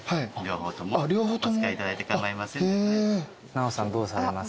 奈緒さんどうされます？